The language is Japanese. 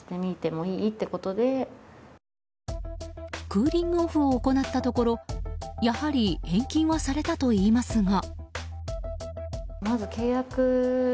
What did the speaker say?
クーリングオフを行ったところやはり返金はされたといいますが。